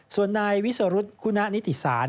ส่วนนายวิสุรุษณ์กุณะนิติศาล